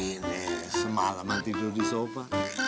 ini semalaman tidur di sofa